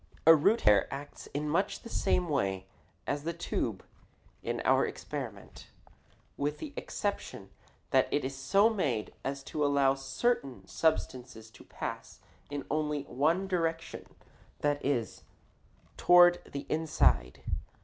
A root hair acts in much the same way as the tube in our experiment, with the exception that it is so made as to allow certain substances to pass in only one direction, that is, toward the inside.